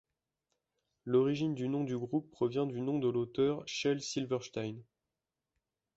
L’origine du nom du groupe provient du nom de l'auteur Shel Silverstein.